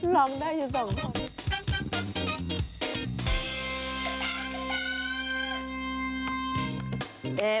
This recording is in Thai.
ลองได้อยู่สองคน